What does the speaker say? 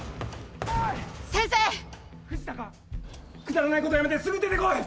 くだらないことやめてすぐ出てこい！